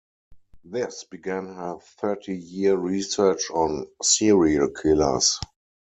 This began her thirty-year research on serial killers.